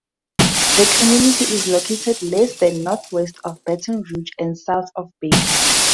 The community is located less than northwest of Baton Rouge and south of Baker.